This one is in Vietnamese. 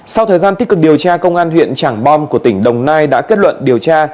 sau thời gian tích cực điều tra công an huyện trảng bom của tỉnh đồng nai đã kết luận điều tra